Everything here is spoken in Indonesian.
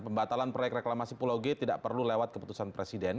pembatalan proyek reklamasi pulau g tidak perlu lewat keputusan presiden